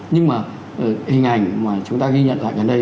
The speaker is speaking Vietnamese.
nhưng mà hình ảnh mà chúng ta ghi nhận lại gần đây